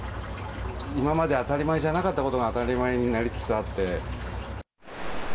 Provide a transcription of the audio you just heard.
今まで当たり前じゃなかったことが、当たり前になりつつあって。